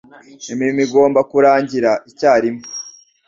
Imirimo igomba kurangirira icyarimwe.